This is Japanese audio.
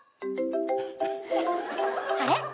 あれ？